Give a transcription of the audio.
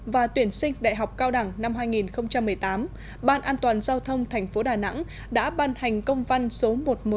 và tuyển sinh đại học cao đẳng năm hai nghìn một mươi tám ban an toàn giao thông thành phố đà nẵng đã ban hành công văn số một trăm một mươi hai